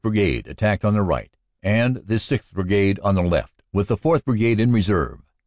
Brigade attacked on the right, and the 6th. Brigade on the left, with the 4th. Brigade in reserve.